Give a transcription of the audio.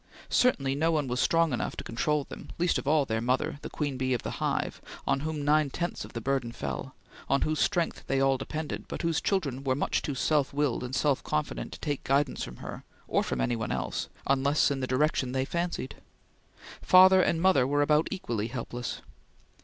Certainly no one was strong enough to control them, least of all their mother, the queen bee of the hive, on whom nine tenths of the burden fell, on whose strength they all depended, but whose children were much too self willed and self confident to take guidance from her, or from any one else, unless in the direction they fancied. Father and mother were about equally helpless.